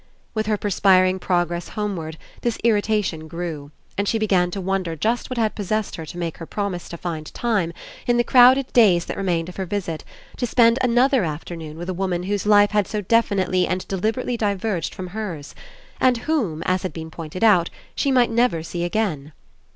With her perspiring progress homeward this irritation grew, and she began to wonder just what had possessed her to make her prom ise to find time, In the crowded days that re mained of her visit, to spend another afternoon with a woman whose life had so definitely and deliberately diverged from hers; and whom, 48 ENCOUNTER as had been pointed out, she might never see again.